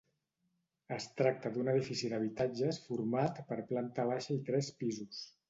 Es tracta d'un edifici d'habitatges format per planta baixa i tres pisos.